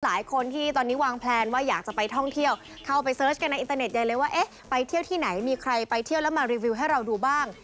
หลายคนที่ตอนนี้วางแพลนว่าอยากจะไปท่องเที่ยวเข้าไปเสิร์ชกันในอินเตอร์เน็ตใหญ่เลยว่าเอ๊ะไปเที่ยวที่ไหนมีใครไปเที่ยวแล้วมารีวิวให้เราดูบ้าง